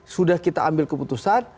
sudah kita ambil keputusan